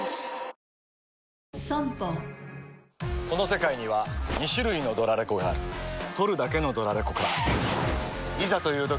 この世界には２種類のドラレコがある録るだけのドラレコか・ガシャン！